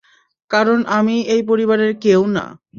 কারণ আমি এই পরিবারের কেউ না!